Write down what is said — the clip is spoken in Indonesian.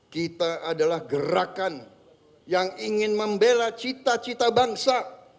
kita adalah gerakan yang ingin membela cita cita bangsa